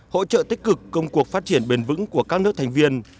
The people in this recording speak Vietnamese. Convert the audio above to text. hỗ trợ tích cực công cuộc phát triển bền vững của các nước thành viên